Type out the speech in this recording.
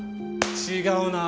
違うな。